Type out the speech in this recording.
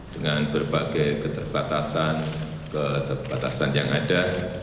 dengan berbagai keterbatasan keterbatasan yang ada